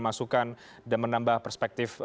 masukan dan menambah perspektif